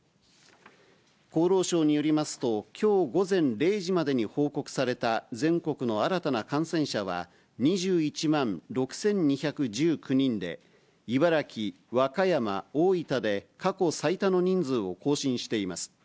厚労省によりますと、きょう午前０時までに報告された全国の新たな感染者は、２１万６２１９人で、茨城、和歌山、大分で、過去最多の人数を更新しています。